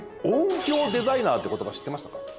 音響デザイナーってことば、知ってましたか？